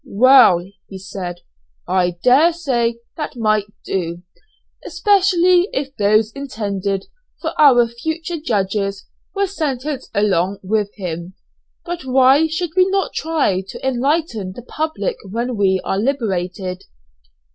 "Well," he said, "I daresay that might do, especially if those intended for our future judges were sentenced along with him; but why should we not try to enlighten the public when we are liberated?"